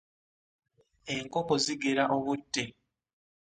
Enkoko zigera obudde.